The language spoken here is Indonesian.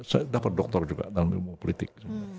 saya dapat doktor juga dalam ilmu politik